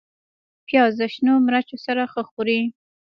پیاز د شنو مرچو سره ښه خوري